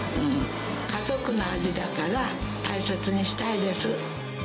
家族の味だから、大切にしたいです。